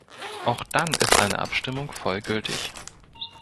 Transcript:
Auch dann ist eine Abstimmung voll gültig.